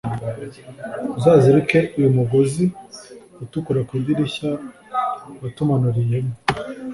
uzazirike uyu mugozi utukura ku idirishya watumanuriyemo